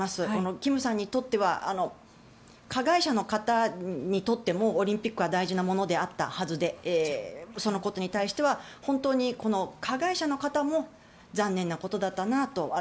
キムさんにとっては加害者の方にとってもオリンピックは大事なものであったはずでそのことに対しては本当にこの加害者の方も残念なことだったなと。